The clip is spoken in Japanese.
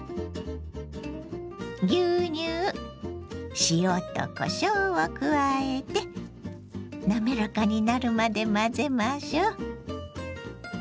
牛乳塩とこしょうを加えて滑らかになるまで混ぜましょう。